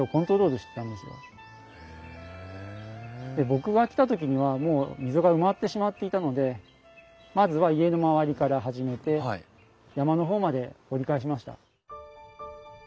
僕が来た時にはもう溝が埋まってしまっていたのでまずは家のまわりから始めて山の方まで掘り返しました。